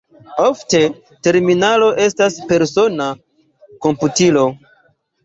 Ofte terminalo estas persona komputilo.